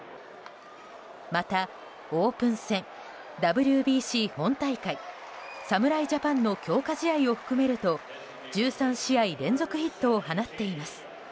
また、オープン戦、ＷＢＣ本大会侍ジャパンの強化試合を含めると１３試合連続ヒットを放っています。